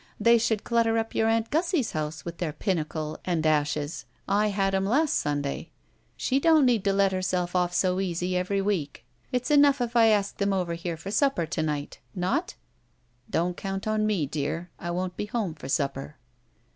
They should clutter up your aunt Gussie's house witi their pinochle and ashes. I had 'em last Simday. She don't need to let herself off so easy every week. It's enough if I ask them all over here for supper to night. Not?" "Don't cotmt on me, dear. I won't be home for supper."